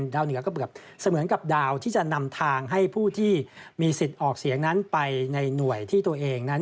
เหนือก็เสมือนกับดาวที่จะนำทางให้ผู้ที่มีสิทธิ์ออกเสียงนั้นไปในหน่วยที่ตัวเองนั้น